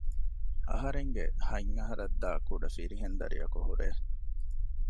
އަހަރެންގެ ހަތް އަހަރަށްދާ ކުޑަ ފިރިހެން ދަރިއަކު ހުރޭ